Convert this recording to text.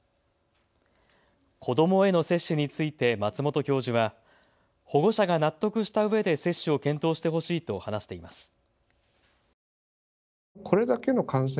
子どもへの接種について松本教授は保護者が納得したうえで接種を検討してほしいと話しています。